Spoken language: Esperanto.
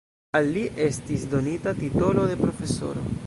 Al li estis donita titolo de profesoro.